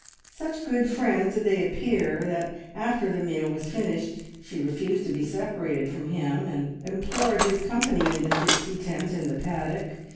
Such good friends did they appear that after the meal was finished she refused to be separated from him, and implored his company in the gipsy tent in the paddock.